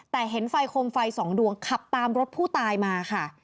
แต่เห็นไฟโคมไฟสองดวงขับตามรถผู้ตายมาค่ะ